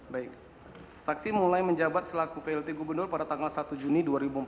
baik saksi mulai menjabat selaku plt gubernur pada tanggal satu juni dua ribu empat belas